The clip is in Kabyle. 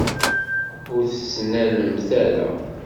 Ur t-tettnalemt ara.